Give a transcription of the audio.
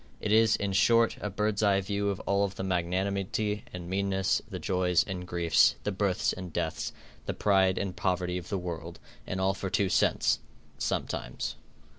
It is, in short, a bird's eye view of all the magnanimity and meanness, the joys and griefs, the births and deaths, the pride and poverty of the world, and all for two cents sometimes.